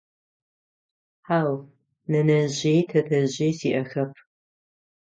Хьау, нэнэжъи тэтэжъи сиӏэхэп.